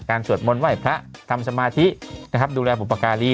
สวดมนต์ไหว้พระทำสมาธินะครับดูแลบุปการี